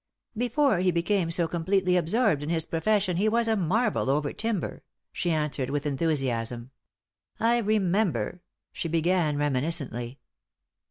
"Before he became so completely absorbed in his profession he was a marvel over timber," she answered, with enthusiasm. "I remember " she began, reminiscently.